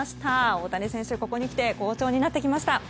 大谷選手、ここに来て好調になってきました。